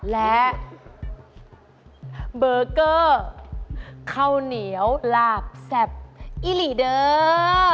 และเบอร์เกอร์ข้าวเหนียวหลาบแซ่บอิหลีเดอร์